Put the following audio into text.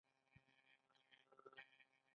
ایا زه به نور نه ویریږم؟